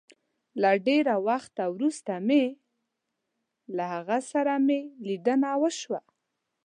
له ډېره وخته وروسته مي له هغه سره مي ليدنه وشوه